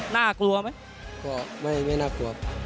น่ากลัวไหมก็ไม่น่ากลัว